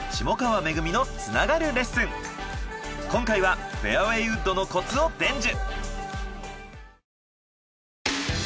今回はフェアウェイウッドのコツを伝授！